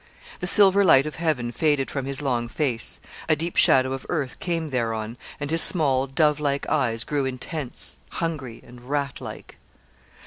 The silver light of heaven faded from his long face, a deep shadow of earth came thereon, and his small, dove like eyes grew intense, hungry, and rat like.